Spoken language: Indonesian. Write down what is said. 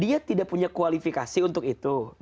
dia tidak punya kualifikasi untuk itu